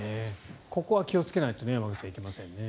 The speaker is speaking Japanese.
ここは気をつけないといけないですね。